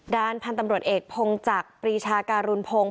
ด้านพันธุ์ตำรวจเอกพงจักรปรีชาการุณพงศ์